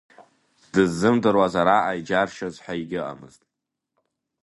Дыззымдыруаз араҟа иџьаршьоз ҳәа егьыҟамызт.